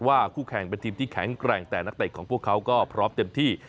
คู่แข่งเป็นทีมที่แข็งแกร่งแต่นักเตะของพวกเขาก็พร้อมเต็มที่